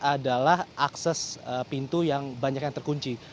adalah akses pintu yang banyak yang terkunci